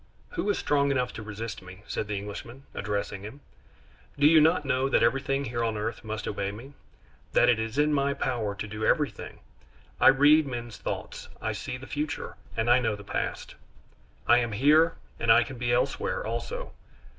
"Who is strong enough to resist me?" said the Englishman, addressing him. "Do you not know that everything here on earth must obey me, that it is in my power to do everything? I read men's thoughts, I see the future, and I know the past. I am here, and I can be elsewhere also.